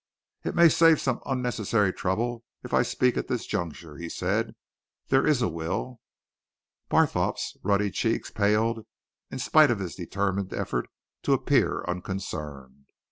"It may save some unnecessary trouble if I speak at this juncture," he said. "There is a will." Barthorpe's ruddy cheeks paled in spite of his determined effort to appear unconcerned.